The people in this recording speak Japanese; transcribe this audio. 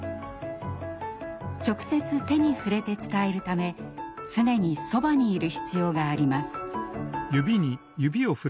直接手に触れて伝えるため常にそばにいる必要があります。